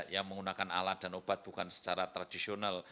yang menggunakan alat dan obat bukan secara tradisional